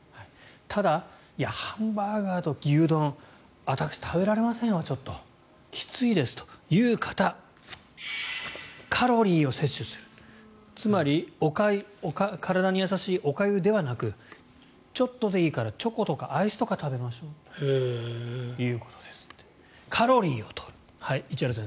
ただ、ハンバーガーと牛丼私、食べられませんわちょっときついですという方カロリーを摂取するつまり体に優しいおかゆではなくちょっとでいいからチョコとかアイスとか食べましょうということです。